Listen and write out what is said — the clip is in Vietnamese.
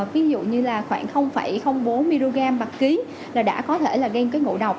ví dụ như là khoảng bốn mg bạc ký là đã có thể là gây ngộ độc